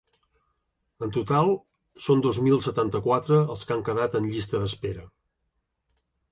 En total són dos mil setanta-quatre els que han quedat en llista d’espera.